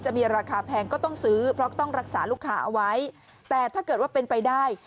จะมีราคาแพงก็ต้องซื้อเพราะต้องรักษาลูกค้าเอาไว้แต่ถ้าเกิดว่าเป็นไปได้